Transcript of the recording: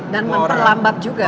dan memperlambat juga kan